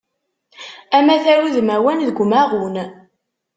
Amatar udmawan deg umaɣun.